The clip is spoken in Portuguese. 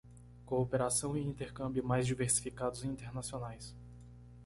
Cooperação e intercâmbio mais diversificados e internacionais